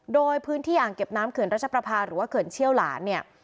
โดยพื้นที่อ่างเก็บน้ำเขื่อนรัชประพาหรือว่าเขื่อนเชี่ยวหลานเนี่ย